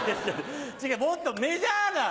もっとメジャーな。